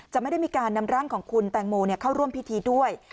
ไม่ได้มีการนำร่างของคุณแตงโมเข้าร่วมพิธีด้วย